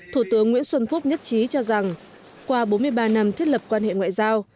thủ tướng nguyễn xuân phúc nhất trí cho rằng qua bốn mươi ba năm thiết lập quan hệ ngoại giao